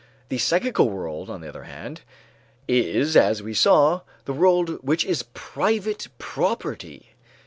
The psychical world, on the other hand, is as we saw, the world which is private property.